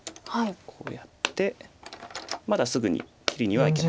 こうやってまだすぐに切りにはいけません。